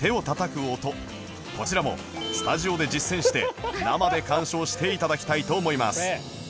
そんなこちらもスタジオで実践して生で鑑賞していただきたいと思います